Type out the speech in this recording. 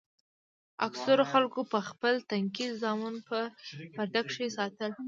اکثرو خلکو به خپل تنکي زامن په پرده کښې ساتل.